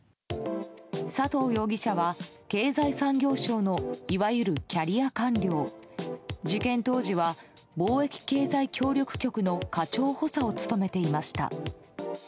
佐藤容疑者は経済産業省のいわゆるキャリア官僚事件当時は、貿易経済協力局の課長補佐を務めていました。